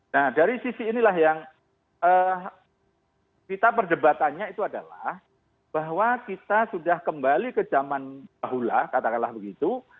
nah dari sisi inilah yang kita perdebatannya itu adalah bahwa kita sudah kembali ke zaman dahulu lah katakanlah begitu